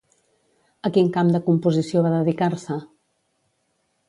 A quin camp de composició va dedicar-se?